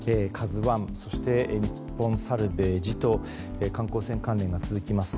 「ＫＡＺＵ１」そして日本サルヴェージと観光船関連が続きます。